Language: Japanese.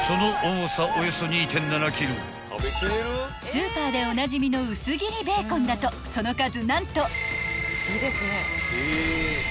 ［スーパーでおなじみの薄切りベーコンだとその数何と］